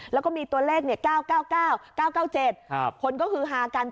แล้วก็มีตัวเลข๙๙๙๙๙๙๗คนก็คือฮากัน